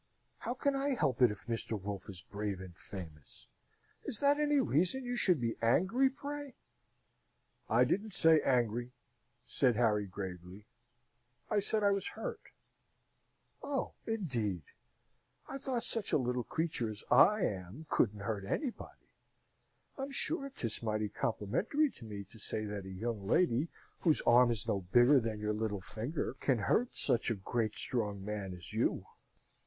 How can I help it if Mr. Wolfe is brave and famous? Is that any reason you should be angry, pray?" "I didn't say angry," said Harry, gravely. "I said I was hurt." "Oh, indeed! I thought such a little creature as I am couldn't hurt anybody! I'm sure 'tis mighty complimentary to me to say that a young lady whose arm is no bigger than your little finger can hurt such a great strong man as you!"